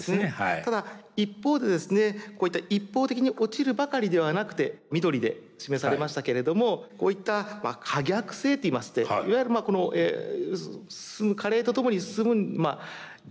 ただ一方でですねこういった一方的に落ちるばかりではなくて緑で示されましたけれどもこういった可逆性といいましていわゆるまあこの加齢とともに進む逆行するっていうかですね